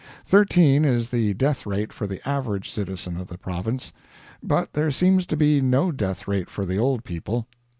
Thirteen is the death rate for the average citizen of the Province, but there seems to be no death rate for the old people.